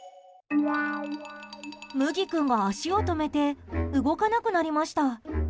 むぎ君が足を止めて動かなくなりました。